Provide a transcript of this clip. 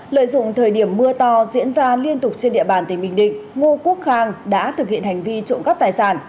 lợi dụng thời điểm mưa to diễn ra liên tục trên địa bàn tỉnh bình định ngô quốc khang đã thực hiện hành vi trộm cắp tài sản